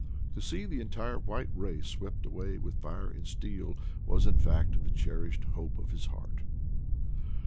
To see the entire white race swept away with fire and steel was, in fact, the cherished hope of his heart.